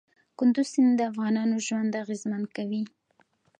کندز سیند د افغانانو ژوند اغېزمن کوي.